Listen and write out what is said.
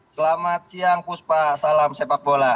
selamat siang puspa salam sepak bola